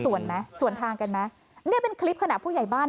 ส่วนไหมส่วนทางกันไหมเนี่ยเป็นคลิปขณะผู้ใหญ่บ้าน